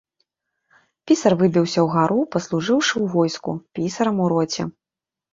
Пісар выбіўся ўгару, паслужыўшы ў войску, пісарам у роце.